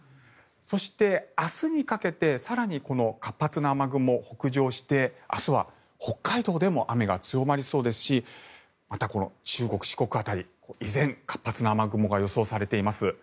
そして、明日にかけて更にこの活発な雨雲北上して、明日は北海道でも雨が強まりそうですしまた中国、四国辺り依然活発な雨雲が予想されています。